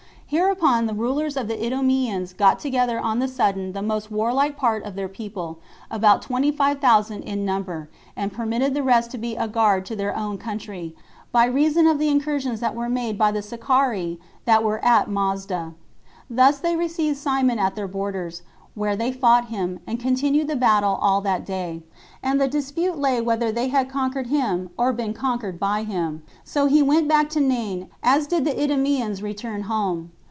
Hereupon the rulers of the Idumeans got together on the sudden the most warlike part of their people, about twenty five thousand in number, and permitted the rest to be a guard to their own country, by reason of the incursions that were made by the Sicarii that were at Masada. Thus they received Simon at their borders, where they fought him, and continued the battle all that day; and the dispute lay whether they had conquered him, or been conquered by him. So he went back to Nain, as did the Idumeans return home.